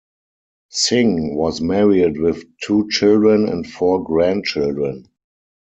Singh was married with two children and four grandchildren.